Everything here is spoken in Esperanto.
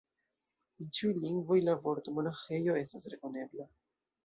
En ĉiuj lingvoj la vorto monaĥejo estas rekonebla.